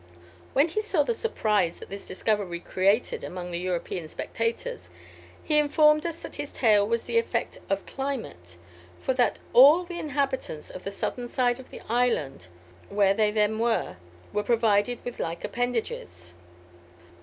When he saw the surprise that this discovery created among the European spectators, he informed us that his tail was the effect of climate, for that all the inhabitants of the southern side of the island, where they then were, were provided with like appendages."